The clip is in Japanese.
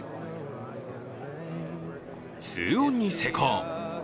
２オンに成功。